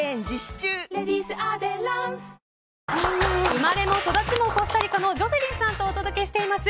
生まれも育ちもコスタリカのジョセリンさんとお届けしています